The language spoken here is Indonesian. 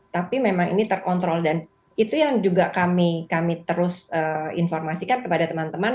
tapi memang ini terkontrol dan itu yang juga kami terus informasikan kepada teman teman